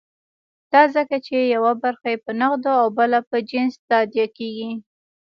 دا ځکه چې یوه برخه یې په نغدو او بله په جنس تادیه کېږي.